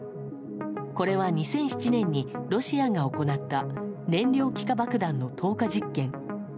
これは２００７年にロシアが行った燃料気化爆弾の投下実験。